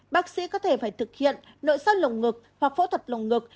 bác sĩ có thể phải thực hiện nội soi lồng ngực hoặc phẫu thuật lồng ngực